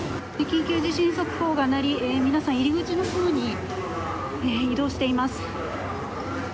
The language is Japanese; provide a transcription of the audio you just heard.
緊急地震速報が鳴り皆さん、入り口のほうに移動しています。